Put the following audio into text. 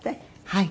はい。